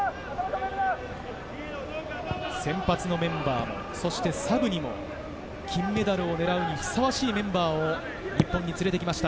先発のメンバー、そしてサブにも金メダルを狙うにふさわしいメンバーを日本につれてきました。